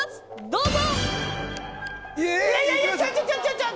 どうぞ。